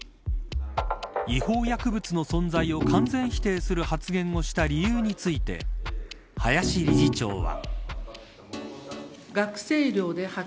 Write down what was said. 違法薬物の存在を完全否定する発言をした理由について林理事長は。